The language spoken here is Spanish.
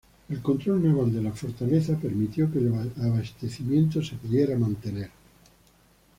El control naval de la fortaleza permitió que el abastecimiento se pudiera mantener.